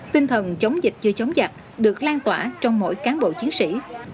tinh thần chống dịch chưa chống giặc được lan tỏa trong mỗi cán bộ chiến sĩ